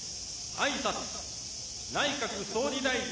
あいさつ、内閣総理大臣。